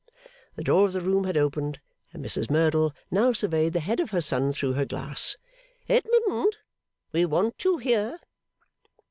The door of the room had opened, and Mrs Merdle now surveyed the head of her son through her glass. 'Edmund; we want you here.